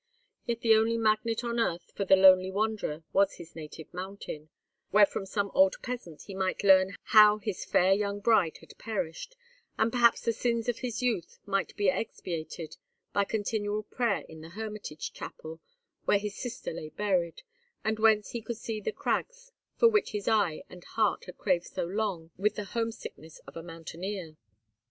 Yet the only magnet on earth for the lonely wanderer was his native mountain, where from some old peasant he might learn how his fair young bride had perished, and perhaps the sins of his youth might be expiated by continual prayer in the hermitage chapel where his sister lay buried, and whence he could see the crags for which his eye and heart had craved so long with the home sickness of a mountaineer.